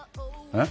えっ？